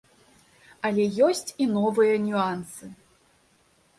Але ёсць і новыя нюансы.